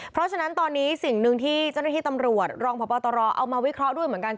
เพราะฉะนั้นตอนนี้สิ่งหนึ่งที่เจ้าหน้าที่ตำรวจรองพบตรเอามาวิเคราะห์ด้วยเหมือนกัน